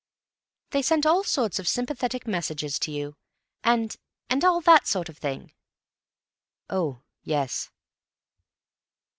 "They sent all sorts of sympathetic messages to you, and—and all that sort of thing." "Oh, yes."